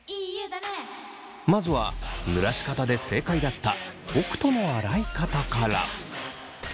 まずはぬらし方で正解だった北斗の洗い方から。